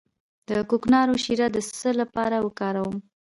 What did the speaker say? د کوکنارو شیره د څه لپاره وکاروم؟